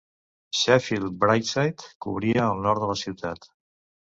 Sheffield Brightside cobria el nord de la ciutat.